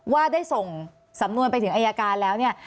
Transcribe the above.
ว่าได้ส่งสำนวนไปถึงอายการแล้วเนี่ย